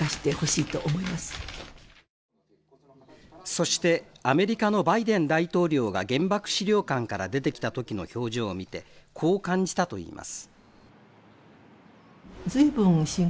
そしてアメリカのバイデン大統領が原爆資料館から出てきたときの表情を見てこう感じたといいます。